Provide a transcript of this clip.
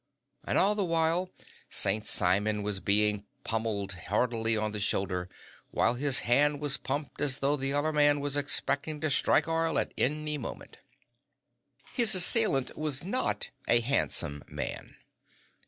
And all the while, St. Simon was being pummeled heartily on the shoulder, while his hand was pumped as though the other man was expecting to strike oil at any moment. His assailant was not a handsome man.